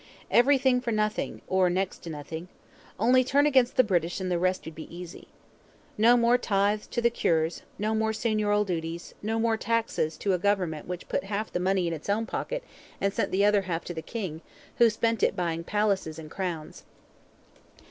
Everything for nothing or next to nothing. Only turn against the British and the rest would be easy. No more tithes to the cures, no more seigneurial dues, no more taxes to a government which put half the money in its own pocket and sent the other half to the king, who spent it buying palaces and crowns.